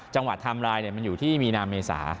จังหวัดทำรายมันอยู่ที่มีนาเมษา